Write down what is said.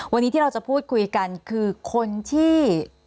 วันนี้ที่เราจะพูดคุยกันคือคนที่